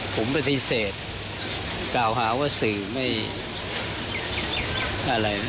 ผมปฏิเสธกล่าวหาว่าสื่อไม่อะไร